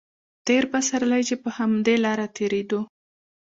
تېر پسرلی چې په همدې لاره تېرېدو.